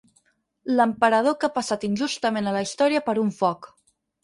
L'emperador que ha passat injustament a la història per un foc.